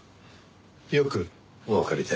よくおわかりで。